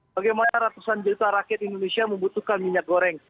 bagaimana ratusan juta rakyat indonesia membutuhkan minyak goreng